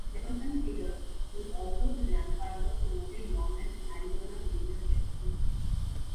Jefferson Kidder was also the grandfather to noted lawman and Arizona Ranger Jeff Kidder.